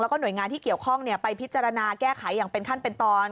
แล้วก็หน่วยงานที่เกี่ยวข้องไปพิจารณาแก้ไขอย่างเป็นขั้นเป็นตอน